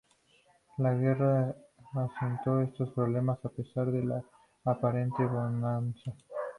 La guerra acentuó estos problemas a pesar de la aparente bonanza.